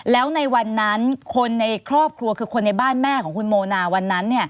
แล้วในวันนั้นคนในครอบครัวคือคนในบ้านแม่ของคุณโมนาวันนั้น